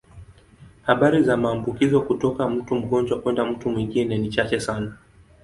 Habari za maambukizo kutoka mtu mgonjwa kwenda mtu mwingine ni chache sana.